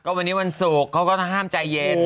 วันนี้วันศุกร์เขาก็ห้ามใจเย็น